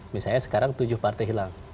misalnya sekarang tujuh partai hilang